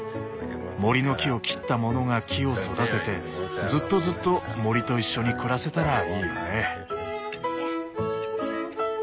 森の木を切った者が木を育ててずっとずっと森と一緒に暮らせたらいいよね。